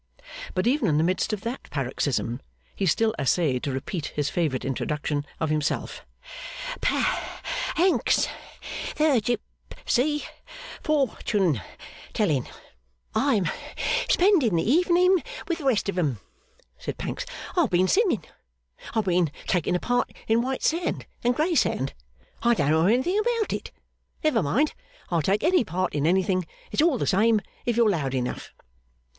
But even in the midst of that paroxysm, he still essayed to repeat his favourite introduction of himself, 'Pa ancks the gi ipsy, fortune telling.' 'I am spending the evening with the rest of 'em,' said Pancks. 'I've been singing. I've been taking a part in White sand and grey sand. I don't know anything about it. Never mind. I'll take any part in anything. It's all the same, if you're loud enough.